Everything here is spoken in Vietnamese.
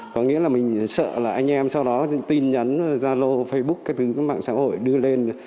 có nghĩa là mình sợ là anh em sau đó tin nhắn zalo facebook các thứ các mạng xã hội đưa lên